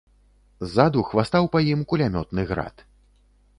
Ззаду хвастаў па ім кулямётны град.